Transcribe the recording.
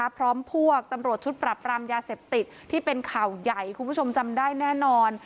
พร้อมพวกตำรวจชุดปรับปรามยาเสพติดที่เป็นข่าวใหญ่คุณผู้ชมจำได้แน่นอน